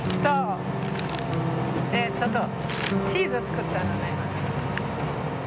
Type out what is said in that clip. ちょっとチーズを作ったのね。